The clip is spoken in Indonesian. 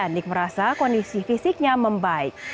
andik merasa kondisi fisiknya membaik